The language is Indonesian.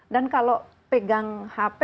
dan kalau pegang hp